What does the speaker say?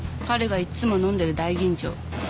彼がいっつも飲んでる大吟醸。